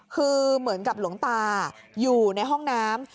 คือเหมือนกับหลวงตาอยู่ในห้องน้ำ